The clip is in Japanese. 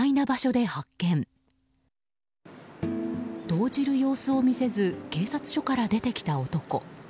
動じる様子を見せず警察署から出てきた男。